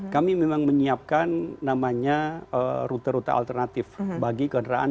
kami memang menyiapkan namanya rute rute alternatif bagi kendaraan